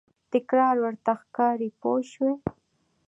تکرار ورته ښکاري پوه شوې!.